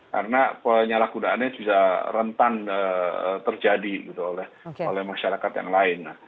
karena penyalahgunaannya juga rentan terjadi gitu oleh masyarakat yang lain